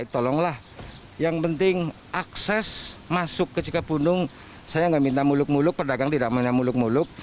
tolonglah yang penting akses masuk ke cikapundung saya nggak minta muluk muluk pedagang tidak punya muluk muluk